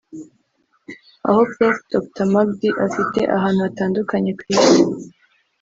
aho Prof Dr Magdi afite ahantu hatandukanye ku isi